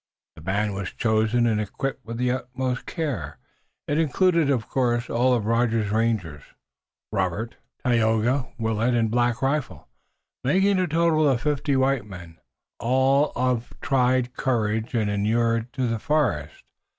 The band was chosen and equipped with the utmost care. It included, of course, all of Rogers' rangers, Robert, Tayoga, Willet and Black Rifle, making a total of fifty white men, all of tried courage and inured to the forest.